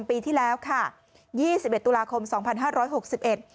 ปีที่แล้วค่ะยี่สิบเอ็ดตุลาคมสองพันห้าร้อยหกสิบเอ็ด